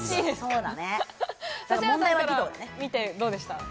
指原さんから見て、どうでしたか？